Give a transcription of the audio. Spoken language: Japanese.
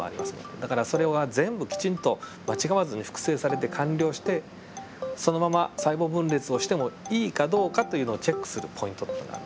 だからそれは全部きちんと間違わずに複製されて完了してそのまま細胞分裂をしてもいいかどうかっていうのをチェックするポイントっていうのがある。